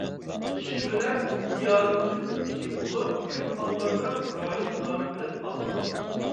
شېۋىلەر دىئالېكتتىن كىچىك بولۇپ، كۆپ ھاللاردا رايون نامى بىلەن ئاتىلىدۇ.